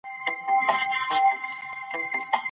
ایا آنلاین زده کړه ستا لپاره ستونزمنه ده؟